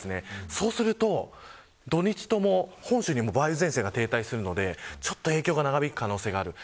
そうすると、土日とも本州にも梅雨前線が停滞するので影響が長引く可能性が出ます。